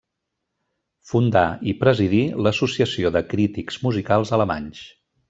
Fundà i presidí l'Associació de Crítics Musicals Alemanys.